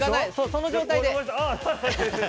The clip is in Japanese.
その状態で。